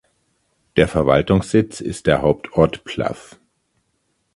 Der Verwaltungssitz ist der Hauptort Plav.